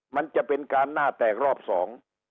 มันจะเป็นการหน้าแตกรอบสอง